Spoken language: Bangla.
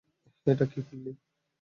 এটা কী করলি?